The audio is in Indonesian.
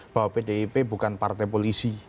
bahwa pdip bukan partai polisi